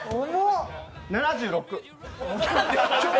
７６。